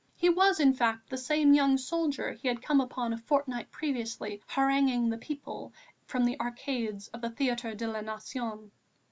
He was, in fact, the same young soldier he had come upon a fortnight previously haranguing the people from the arcades of the Théâtre de la Nation.